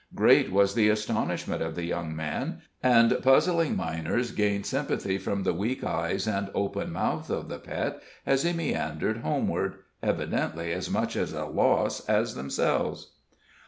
Great was the astonishment of the young man, and puzzling miners gained sympathy from the weak eyes and open mouth of the Pet as he meandered homeward, evidently as much at a loss as themselves.